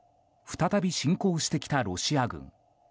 再び侵攻してきたロシア軍。